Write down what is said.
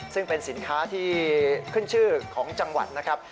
ซึ่งเป็นสินค้าที่ขึ้นชื่อของจังหวัดนะครับ